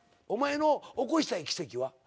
お前の起こしたい奇跡は？